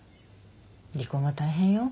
離婚は大変よ。